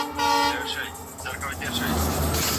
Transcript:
د ميرويس خان نيکه زامنو اصفهان څنګه ونیو؟